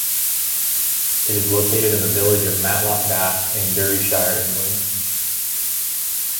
It is located in the village of Matlock Bath in Derbyshire, England.